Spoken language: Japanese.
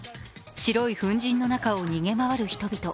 白い粉じんの中を逃げ回る人々。